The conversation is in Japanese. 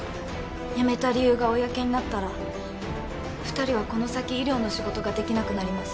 辞めた理由が公になったら２人はこの先医療の仕事ができなくなります。